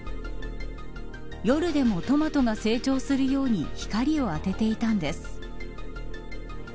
夜でもトマトが成長するように光を当てていたんです。